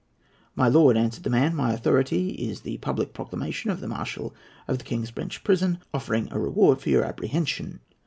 "My lord," answered the man, "my authority is the public proclamation of the Marshal of the King's Bench Prison, offering a reward for your apprehension."